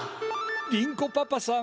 りん子パパさん。